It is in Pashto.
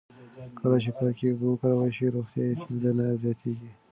کله چې پاکې اوبه وکارول شي، روغتیایي ستونزې نه زیاتېږي.